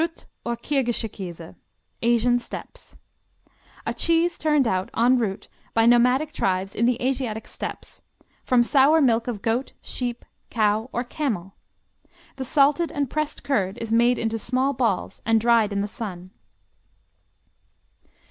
Krutt, or Kirgischerkäse Asian Steppes A cheese turned out en route by nomadic tribes in the Asiatic Steppes, from sour skim milk of goat, sheep, cow or camel. The salted and pressed curd is made into small balls and dried in the sun.